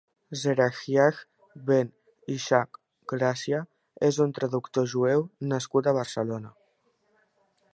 Zerahyah ben Ishaq Gràcia és un traductor jueu nascut a Barcelona.